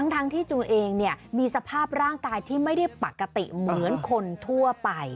ทั้งที่จูเองมีสภาพร่างกายที่ไม่ได้ปกติเหมือนคนทั่วไป